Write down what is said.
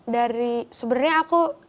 dari sebenernya aku